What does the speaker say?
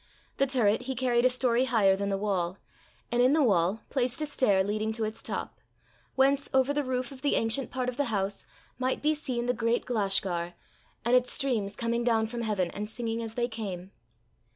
The turret he carried a story higher than the wall, and in the wall placed a stair leading to its top, whence, over the roof of the ancient part of the house, might be seen the great Glashgar, and its streams coming down from heaven, and singing as they came.